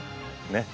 ねっ。